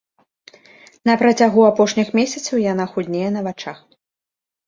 На працягу апошніх месяцаў яна худнее на вачах.